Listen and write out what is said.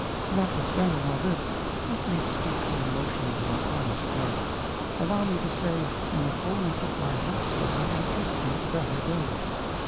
Notwithstanding all this, let me speak the emotions of an honest heart; allow me to say in the fullness of my hopes that I anticipate better days.